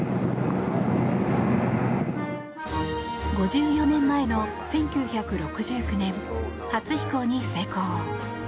５４年前の１９６９年初飛行に成功。